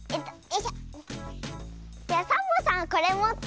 じゃあサボさんこれもって。